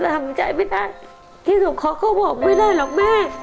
ทำใจไม่ได้ที่สมครอบครัวบอกไม่ได้หรอกแม่